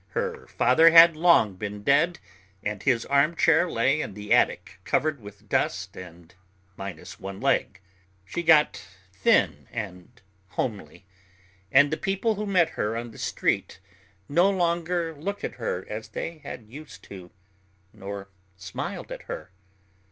Her father had long been dead, and his armchair lay in the attic covered with dust and minus one leg. She got thin and homely, and the people who met her on the street no longer looked at her as they had used to, nor smiled at her.